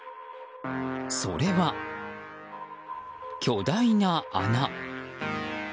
それは、巨大な穴。